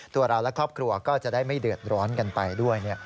ตัวเราและครอบครัวก็จะได้ไม่เดือดร้อนกันไปด้วย